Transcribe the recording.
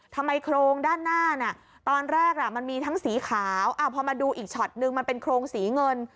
โครงด้านหน้าน่ะตอนแรกมันมีทั้งสีขาวพอมาดูอีกช็อตนึงมันเป็นโครงสีเงิน